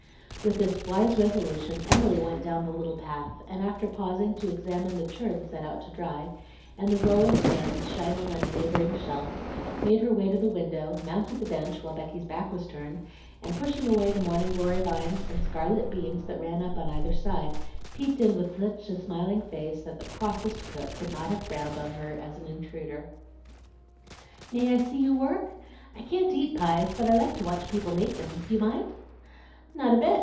With this wise resolution Emily went down the little path, and after pausing to examine the churn set out to dry, and the row of pans shining on a neighboring shelf, made her way to the window, mounted the bench while Becky's back was turned, and pushing away the morning glory vines and scarlet beans that ran up on either side peeped in with such a smiling face that the crossest cook could not have frowned on her as an intruder. "May I see you work? I can't eat pies, but I like to watch people make them. Do you mind?" "Not a bit.